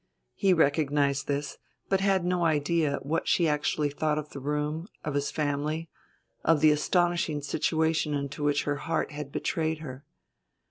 He recognized this, but had no idea what she actually thought of the room, of his family, of the astonishing situation into which her heart had betrayed her.